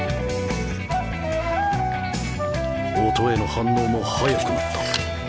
音への反応も速くなった